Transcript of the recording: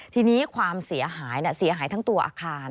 ทีนี้ความเสียหายเสียหายทั้งตัวอาคาร